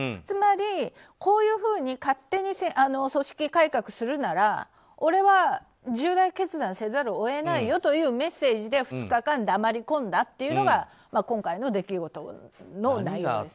つまり、こういうふうに勝手に組織改革するなら俺は重大決断をせざるを得ないよというメッセージで２日間、黙り込んだというのが何があったの？